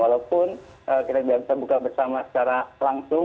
walaupun kita tidak bisa buka bersama secara langsung